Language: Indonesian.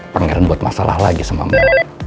pangeran buat masalah lagi sama mbak